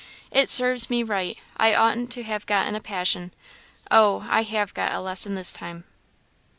"It serves me right; I oughtn't to have got in a passion; oh! I have got a lesson this time!"